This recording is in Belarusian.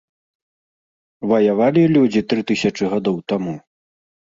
Ваявалі людзі тры тысячы гадоў таму?